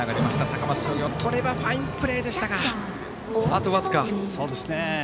高松商業、とればファインプレーでしたがあと僅か。